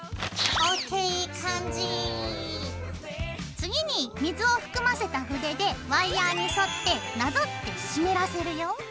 次に水を含ませた筆でワイヤーに沿ってなぞって湿らせるよ。